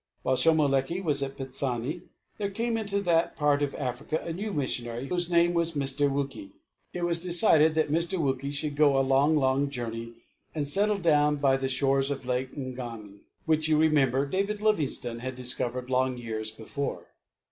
While Shomolekae was at Pitsani there came into that part of Africa a new missionary, whose name was Mr. Wookey. It was decided that Mr. Wookey should go a long, long journey and settle down by the shores of Lake Ngami, which, you remember, David Livingstone had discovered long years before.